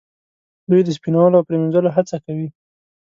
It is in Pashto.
دوی د سپینولو او پریمینځلو هڅه کوي.